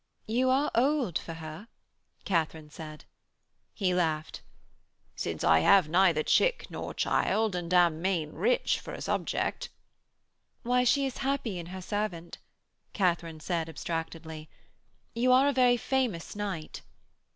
'You are old for her,' Katharine said. He laughed. 'Since I have neither chick nor child and am main rich for a subject.' 'Why, she is happy in her servant,' Katharine said abstractedly. 'You are a very famous knight.'